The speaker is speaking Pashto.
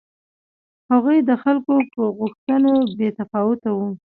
هغوی د خلکو پر غوښتنو بې تفاوته و.